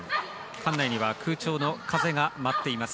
館内には空調の風が舞っています。